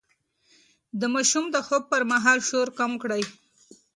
د ماشوم د خوب پر مهال شور کم کړئ.